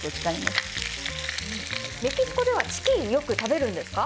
メキシコではチキン、よく食べるんですか？